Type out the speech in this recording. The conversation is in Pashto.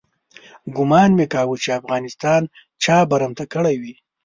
ګومان مې کاوه چې افغانستان چا برمته کړی وي.